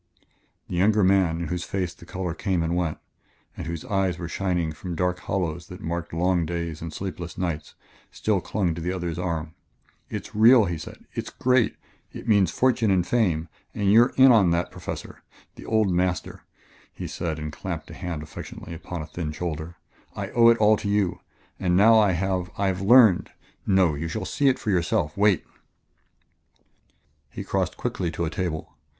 The younger man, in whose face the color came and went, and whose eyes were shining from dark hollows that marked long days and sleepless nights, still clung to the other's arm. "It's real," he said; "it's great! It means fortune and fame, and you're in on that, Professor. The old master," he said and clapped a hand affectionately upon a thin shoulder; "I owe it all to you. And now I have I have learned.... No, you shall see for yourself. Wait "He crossed quickly to a table.